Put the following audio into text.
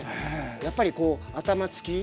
やっぱりこう頭つき。